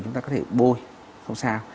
chúng ta có thể bôi không sao